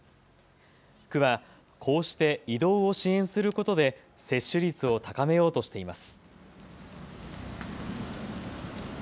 区は、こうして移動を支援することで接種率を高めようとしています。